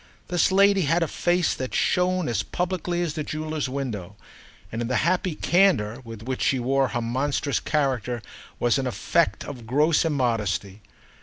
This lady had a face that shone as publicly as the jeweller's window, and in the happy candour with which she wore her monstrous character was an effect of gross immodesty.